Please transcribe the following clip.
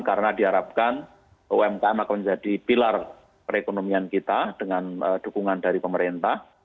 karena diharapkan umkm akan menjadi pilar perekonomian kita dengan dukungan dari pemerintah